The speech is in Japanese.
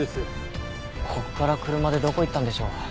ここから車でどこ行ったんでしょう？